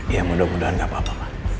iya mudah mudahan gak apa apa